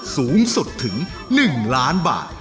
สูงสุดถึง๑ล้านบาท